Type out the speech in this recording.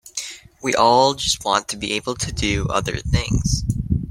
We all just want to be able to do other things.